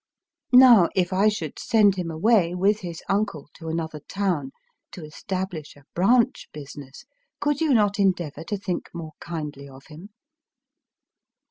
... Now if I should send him away, with his uncle, to another town, to establish a branch business, could you not endeavour to think more kindly of him